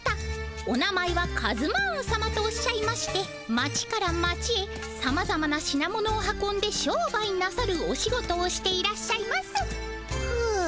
お名前はカズマーンさまとおっしゃいまして町から町へさまざまな品物を運んで商売なさるお仕事をしていらっしゃいますふ